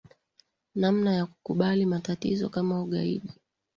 Namna ya kukabili matatizo kama ugaidi